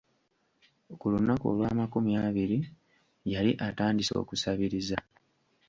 Ku lunaku olw'amakumi abiri yali atandise okusabiriza.